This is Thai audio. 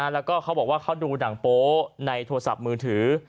แล้วก็เขาบอกว่าเขาดูหนังโป๊ในโทรศัพท์มือถือ